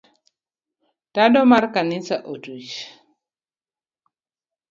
Tado mar kanisa otuch.